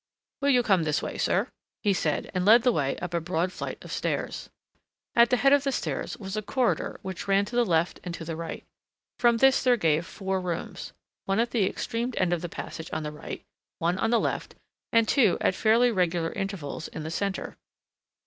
"Will you come this way, sir," he said, and led the way up a broad flight of stairs. At the head of the stairs was a corridor which ran to the left and to the right. From this there gave four rooms. One at the extreme end of the passage on the right, one on the left, and two at fairly regular intervals in the centre.